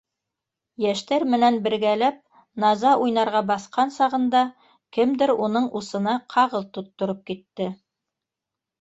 Йәштәр менән бергәләп «Наза» уйнарға баҫҡан сағында кемдер уның усына ҡағыҙ тоттороп китте.